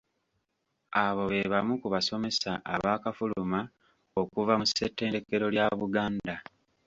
Abo be bamu ku basomesa abaakafuluma okuva mu ssetendekero lya Buganda.